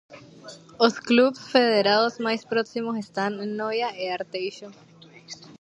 Os clubs federados máis próximos están en Noia e Arteixo.